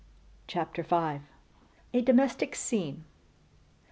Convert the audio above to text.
CHAPTER V. _A Domestic Scene.